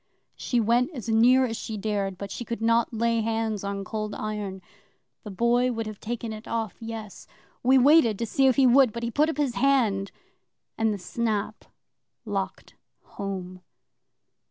She went as near as she dared, but she could not lay hands on Cold Iron. The Boy could have taken it off, yes. We waited to see if he would, but he put up his hand, and the snap locked home.